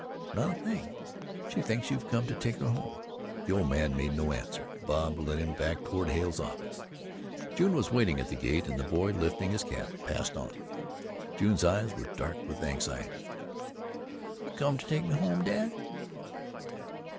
"Not a thing; she thinks you've come to take her home." The old man made no answer, and Bob led him back toward Hale's office. June was waiting at the gate, and the boy, lifting his cap, passed on. June's eyes were dark with anxiety. "You come to take me home, dad?"